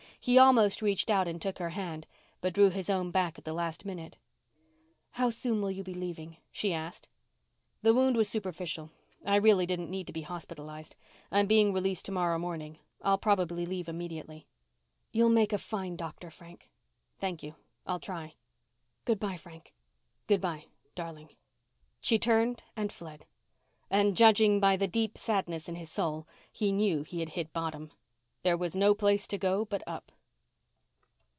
He almost reached out and took her hand, but drew his own back at the last minute. "How soon will you be leaving?" she asked. "The wound was superficial. I really didn't need to be hospitalized. I'm being released tomorrow morning. I'll probably leave immediately." "You'll make a fine doctor, Frank." "Thank you, I'll try." "Good bye, Frank." "Good bye darling." She turned and fled. And judging by the deep sadness in his soul, he knew he had hit bottom. There was no place to go but up.